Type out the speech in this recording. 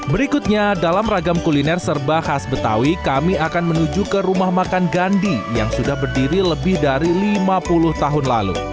berikutnya dalam ragam kuliner serba khas betawi kami akan menuju ke rumah makan gandhi yang sudah berdiri lebih dari lima puluh tahun lalu